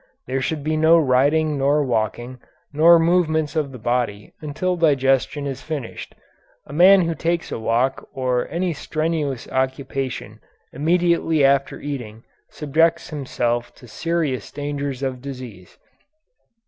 There should be no riding nor walking, nor movements of the body until digestion is finished. The man who takes a walk or any strenuous occupation immediately after eating subjects himself to serious dangers of disease.